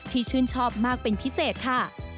ชื่นชอบมากเป็นพิเศษค่ะ